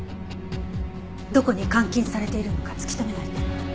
どこに監禁されているのか突き止めないと。